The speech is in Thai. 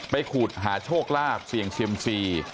ขูดหาโชคลาภเสี่ยงเซียมซี